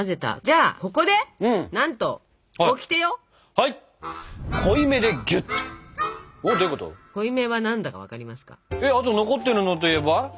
あと残ってるのといえば。